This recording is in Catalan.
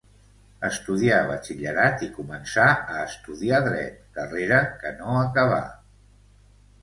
Estudià batxillerat i començà a estudiar dret, carrera que no acabà.